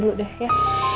ya sudah ya